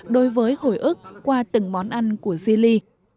đối với hồi ức qua từng món ăn của zili